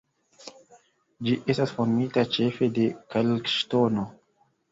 Ĝi estas formita ĉefe de kalkŝtono.